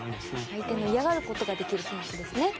相手の嫌がることができる選手ですね。